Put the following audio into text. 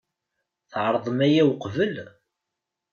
Tɛerḍem aya uqbel?